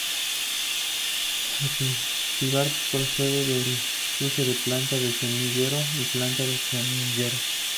El cultivar procede del cruce de planta de semillero x planta de semillero.